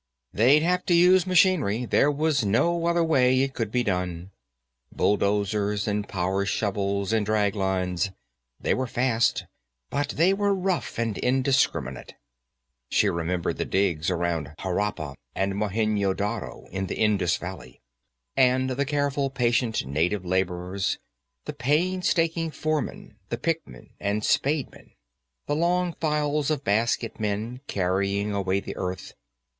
They'd have to use machinery; there was no other way it could be done. Bulldozers and power shovels and draglines; they were fast, but they were rough and indiscriminate. She remembered the digs around Harappa and Mohenjo Daro, in the Indus Valley, and the careful, patient native laborers the painstaking foremen, the pickmen and spademen, the long files of basketmen carrying away the earth.